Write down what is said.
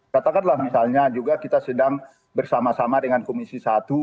katakanlah misalnya juga kita sedang bersama sama dengan komisi satu